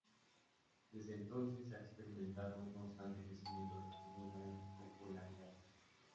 Desde entonces ha experimentado un constante crecimiento sostenido en popularidad.